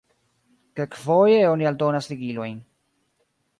Kelkfoje oni aldonas ligilojn.